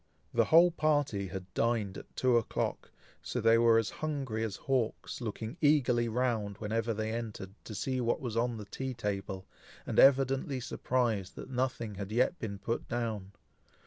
The whole party had dined at two o'clock, so they were as hungry as hawks, looking eagerly round, whenever they entered, to see what was on the tea table, and evidently surprised that nothing had yet been put down.